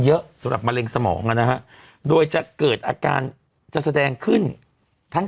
เยอะสำหรับมะเร็งสมองนะฮะโดยจะเกิดอาการจะแสดงขึ้นทั้ง